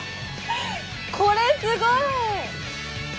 これすごい！